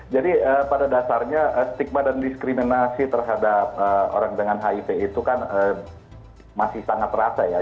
jadi pada dasarnya stigma dan diskriminasi terhadap orang dengan hiv itu kan masih sangat rasa ya